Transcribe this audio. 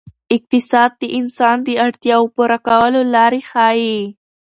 اقتصاد د انسان د اړتیاوو پوره کولو لارې ښيي.